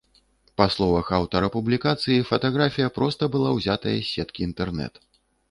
Па словах аўтара публікацыі, фатаграфія проста была ўзятая з сеткі інтэрнэт.